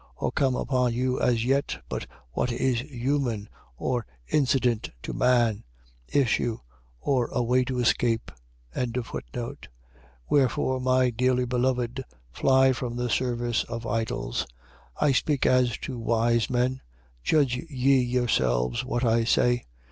. .or come upon you as yet, but what is human, or incident to man. Issue. . .or a way to escape. 10:14. Wherefore, my dearly beloved, fly from the service of idols. 10:15. I speak as to wise men: judge ye yourselves what I say.